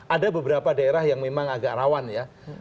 ada beberapa daerah yang memang agak rawan ya